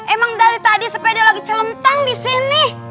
emang dari tadi sepeda lagi celentang disini